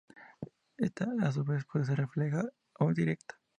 Esta a su vez puede ser refleja o directa.